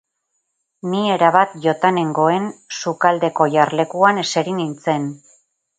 Ni erabat jota nengoen, sukaldeko jarlekuan eseri nintzen.